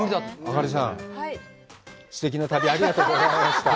あかりさん、すてきな旅、ありがとうございました。